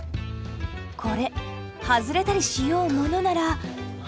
これ外れたりしようものなら。